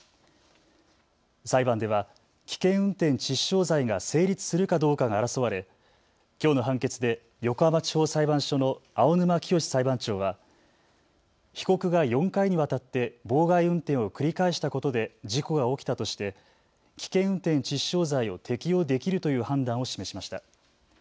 裁判では危険運転致死傷罪が成立するかどうかが争われきょうの判決で横浜地方裁判所の青沼潔裁判長は被告が４回にわたって妨害運転を繰り返したことで事故が起きたとして危険運転致死傷罪を適用できるという判断を示しました。